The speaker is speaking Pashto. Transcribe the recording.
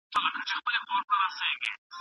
څه بختور دی هغه